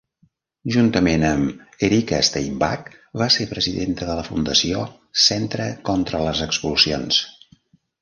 Juntament amb Erika Steinbach va ser presidenta de la fundació "Centre contra les expulsions".